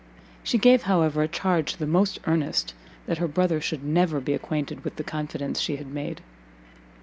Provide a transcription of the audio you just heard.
She gave, however, a charge the most earnest, that her brother should never be acquainted with the confidence she had made.